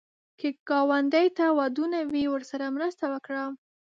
که ګاونډي ته ودونه وي، ورسره مرسته وکړه